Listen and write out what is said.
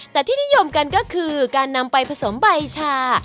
แต่ที่นิยมกันก็คือการนำไปผสมใบชา